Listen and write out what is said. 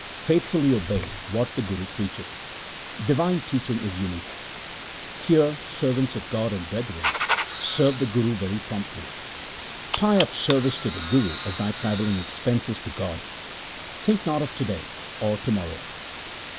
Faithfully obey 1 what the Guru preacheth ; Divine teaching is unique. Hear, servants of God and brethren, serve the Guru very promptly. Tie up service to the Guru as thy travelling expenses to God ; think not of to day or to morrow.